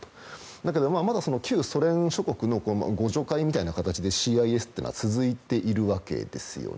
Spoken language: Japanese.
だけどまだ旧ソ連諸国の互助会みたいな形でＣＩＳというのは続いているわけですよね。